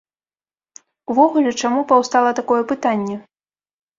Увогуле чаму паўстала такое пытанне?